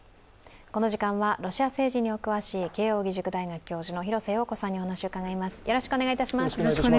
この時間はロシア政治にお詳しい慶応義塾大学教授の廣瀬陽子さんにお話を伺います。